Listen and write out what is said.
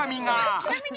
ちなみに。